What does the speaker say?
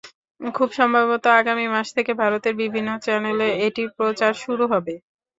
খুব সম্ভবত আগামী মাস থেকে ভারতের বিভিন্ন চ্যানেলে এটি প্রচার শুরু হবে।